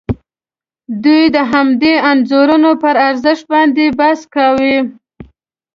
دوی د همدې انځورونو پر ارزښت باندې بحث کاوه.